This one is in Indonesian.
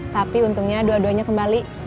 tapi untungnya dua duanya kembali